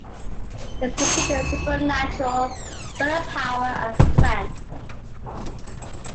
It is considered a supernatural bird of power and strength.